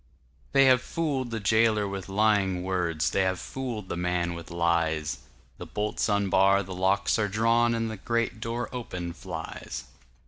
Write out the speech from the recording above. They have fooled the jailer with lying words, They have fooled the man with lies; The bolts unbar, the locks are drawn, And the great door open flies.